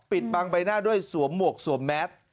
ปิดบังใบหน้าด้วยสวมหมวกสวมแมส